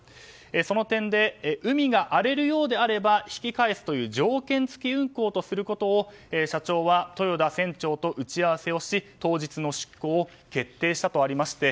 その点で海が荒れるようであれば引き返すという条件付き運航とすることを社長は豊田船長と打ち合わせをし当日の出航を決定したとありまして。